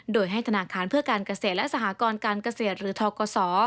โดยให้ธนาคารเพื่อการเกษตรและสหกรการเกษตรหรือทกศ